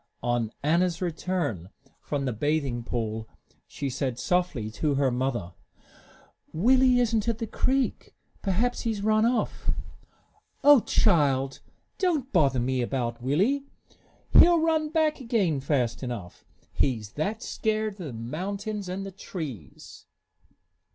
On Anna's return from the bathing pool she said softly to her mother, "Willie isn't at the creek. Perhaps he has run off." "O child, don't bother me about Willie! He'll run back again fast enough, he's that scared of the mountains and the trees."